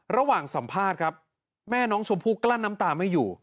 ระหว่างสัมภาษณ์ครับแม่น้องชมพู่กลั้นน้ำตาไม่อยู่